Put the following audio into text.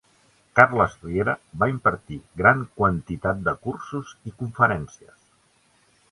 Carles Riera va impartir gran quantitat de cursos i conferències.